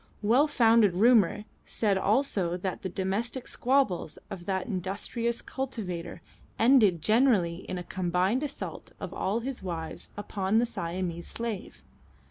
Well founded rumour said also that the domestic squabbles of that industrious cultivator ended generally in a combined assault of all his wives upon the Siamese slave.